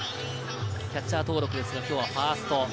キャッチャー登録ですが、今日はファースト。